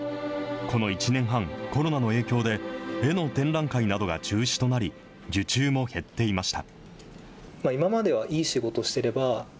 この１年半、コロナの影響で、絵の展覧会などが中止となり、受注も減っていました。